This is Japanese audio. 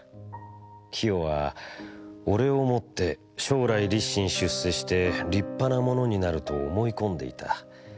清はおれをもって将来立身出世して立派なものになると思い込んでいた。